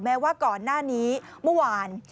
แม้ว่าก่อนหน้านี้เมื่อวาน